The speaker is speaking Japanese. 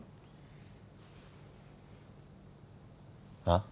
あっ？